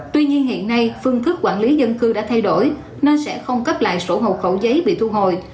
tuy nhiên hiện nay phương thức quản lý dân cư đã thay đổi nên sẽ không cấp lại sổ hộ khẩu giấy bị thu hồi